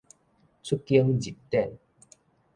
出經入典